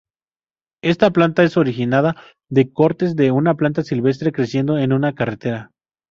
Esta planta se origina de cortes de una planta silvestre creciendo en una carretera.